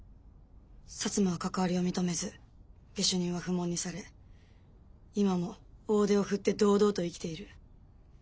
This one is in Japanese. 摩は関わりを認めず下手人は不問にされ今も大手を振って堂々と生きている。